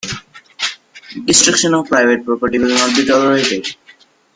Destruction of private property will not be tolerated.